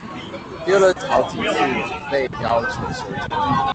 丟了好幾次被要求修正